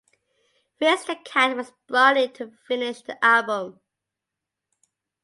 Fritz the Cat was brought in to finish the album.